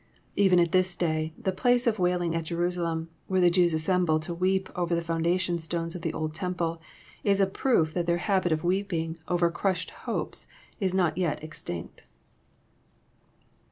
Even at this day, '* the place of wailing " at Jerusalem, where the Jews assemble to weep over the foundation stones of the old temple, is a proof that their habit of weeping over crushed hopes is not yet extinct.